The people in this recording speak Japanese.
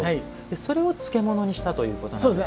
それを漬物にしたということなんですか。